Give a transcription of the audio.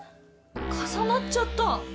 かさなっちゃった。